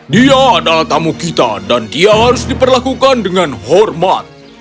dia adalah tamu kita dan dia harus diperlakukan dengan hormat